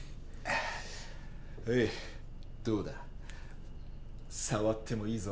どうだ触ってもいいぞ。